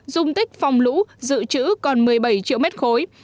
dung tích phòng lũ dự trữ còn một mươi bảy triệu mét khối